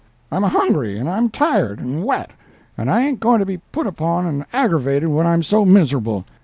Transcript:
I'm hungry, and I'm tired, and wet; and I ain't going to be put upon and aggravated when I'm so miserable.